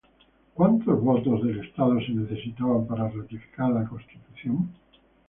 ¿Cuántos votos del Estado se necesitaban para ratificar la Constitución?